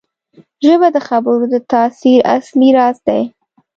ژبه د خبرو د تاثیر اصلي راز دی